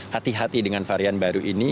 hati hati dengan varian baru ini